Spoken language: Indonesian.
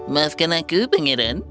maafkan aku pangeran